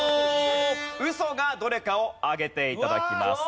ウソがどれかを上げて頂きます。